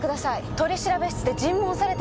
取調室で尋問されてる気分です。